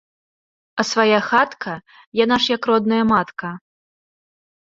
А свая хатка яна ж як родная матка.